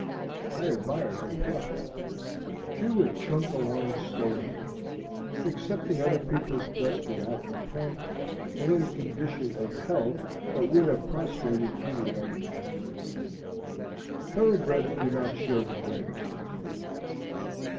I admired her pluck. She would chunk along stoically, accepting other people's dust without complaint, when in a condition of health that would have prostrated any other machine. (Thoroughbreds do not show the greatest endurance.)